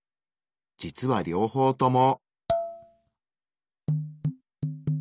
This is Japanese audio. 実は両方とも。